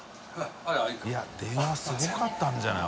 いや電話すごかったんじゃない？